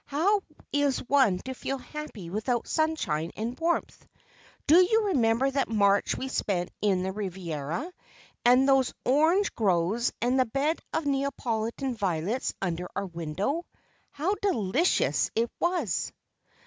How is one to feel happy without sunshine and warmth? Do you remember that March we spent in the Riviera, and those orange groves, and the bed of Neapolitan violets under our window? How delicious it was!"